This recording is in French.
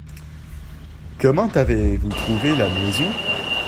Comment avez-vous trouver la maison ?